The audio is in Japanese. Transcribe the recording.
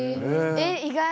えっ意外！